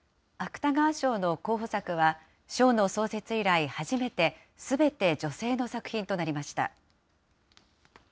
芥川賞の候補作は、賞の創設以来、初めて、すべて女性の作品となりました。